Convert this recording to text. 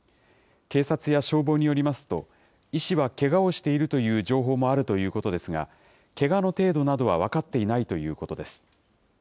警察や消防によりますと、医師はけがをしているという情報もあるということですが、けがの程度などは分かっていないということです。